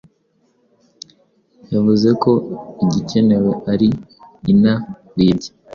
Yavuze ko igikenewe ari ina wibye.